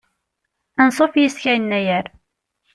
Ansuf yis-k a yennayer.